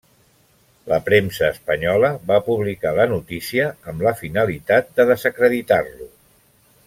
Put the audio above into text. La premsa espanyola va publicar la notícia amb la finalitat de desacreditar-lo.